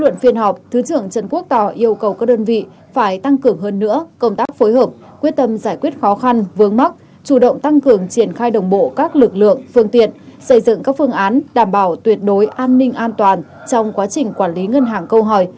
công tác phối hợp quyết tâm giải quyết khó khăn vướng mắc chủ động tăng cường triển khai đồng bộ các lực lượng phương tiện xây dựng các phương án đảm bảo tuyệt đối an ninh an toàn trong quá trình quản lý ngân hàng câu hỏi